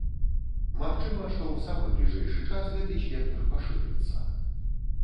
Магчыма, што ў самы бліжэйшы час гэты спектр пашырыцца.